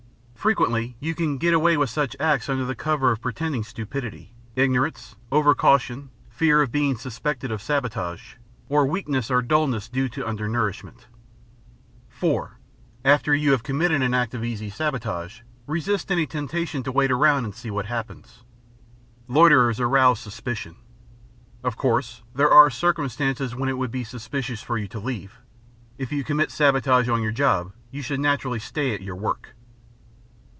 Frequently you can "get away" with such acts under the cover of pretending stupidity, ignorance, over caution, fear of being suspected of sabotage, or weakness and dullness due to undernourishment. (4) After you have committed an act of easy sabotage, resist any temptation to wait around and see what happens. Loiterers arouse suspicion. Of course, there are circumstances when it would be suspicious for you to leave. If you commit sabotage on your job, you should naturally stay at your work.